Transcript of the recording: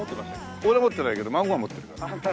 俺は持ってないけど孫が持ってるから。